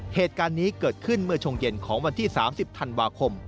เหตุการณ์นี้เกิดขึ้นเมื่อช่วงเย็นของวันที่๓๐ธันวาคม